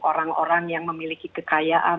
orang orang yang memiliki kekayaan